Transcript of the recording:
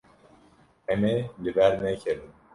Em ê li ber nekevin.